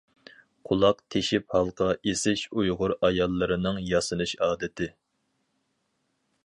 قۇلاق تېشىپ ھالقا ئېسىش ئۇيغۇر ئاياللىرىنىڭ ياسىنىش ئادىتى.